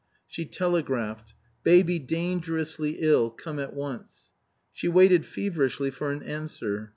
She telegraphed: "Baby dangerously ill. Come at once." She waited feverishly for an answer.